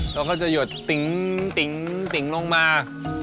แล้วก็จะหยดติ๊งติ๊งลงมา